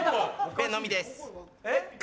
ペンのみです。